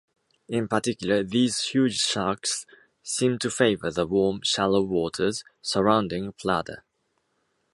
In particular these huge sharks seem to favour the warm, shallow waters surrounding Pladda.